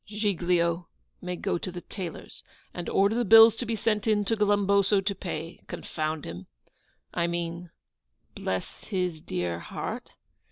'Giglio may go to the tailor's, and order the bills to be sent in to Glumboso to pay. Confound him! I mean bless his dear heart.